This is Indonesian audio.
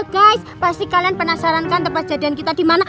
guys pasti kalian penasaran kan tempat jadian kita dimana